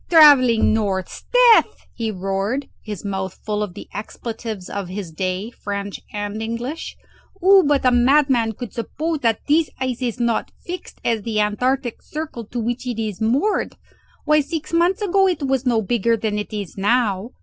Travelling north! 'sdeath!" he roared, his mouth full of the expletives of his day, French and English. "Who but a madman could suppose that this ice is not as fixed as the antarctic circle to which it is moored? Why, six months ago it was no bigger than it is now!"